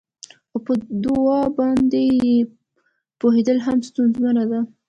او په دوا باندې یې پوهیدل هم ستونزمنه ده